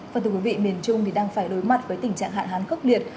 phần thưa quý vị miền trung đang phải đối mặt với tình trạng hạn hán khốc liệt